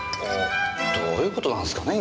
どういう事なんすかね？